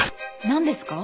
何ですか？